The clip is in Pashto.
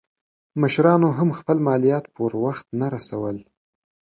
مشرانو هم خپل مالیات پر وخت نه رسول.